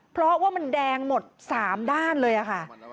เพราะว่ามันแดงหมด๓ด้านเลยค่ะ